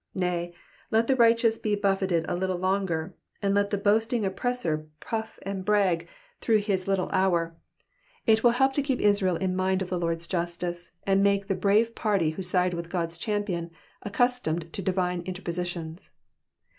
Nay, let the righteous be buffeted a little longer, and let the boasting oppressor puff and brag through his little hour, it will help to keep Israel in mind of the Lord's justice, and make the brave party who side with God's champion ac customed to divine interpositions.